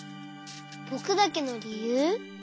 ぼくだけのりゆう？